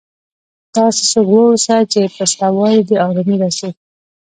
داسي څوک واوسه، چي په سته والي دي ارامي راسي.